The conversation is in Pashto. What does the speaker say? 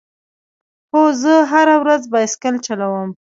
هو، زه هره ورځ بایسکل چلوم